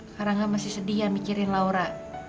karangga masih sedih ya mikirin laura